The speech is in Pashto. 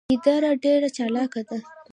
ګیدړه ډیره چالاکه ده